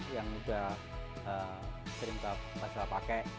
yang juga sering kita pasal pakai